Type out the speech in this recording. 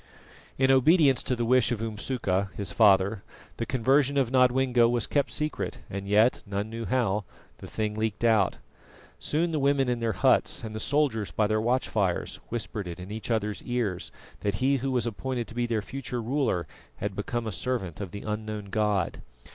In obedience to the wish of Umsuka his father, the conversion of Nodwengo was kept secret, and yet none knew how the thing leaked out. Soon the women in their huts, and the soldiers by their watch fires, whispered it in each other's ears that he who was appointed to be their future ruler had become a servant of the unknown God.